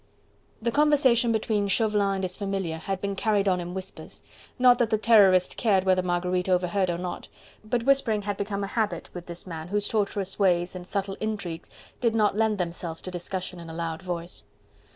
The conversation between Chauvelin and his familiar had been carried on in whispers: not that the Terrorist cared whether Marguerite overheard or not, but whispering had become a habit with this man, whose tortuous ways and subtle intrigues did not lend themselves to discussion in a loud voice.